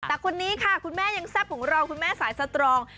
แต่คนนี้ค่ะคุณแม่ยังแซ่บของเราคุณแม่สายสตรอง